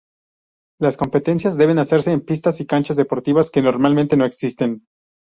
Las competencias deben hacerse en pistas y canchas deportivas, que normalmente no existen.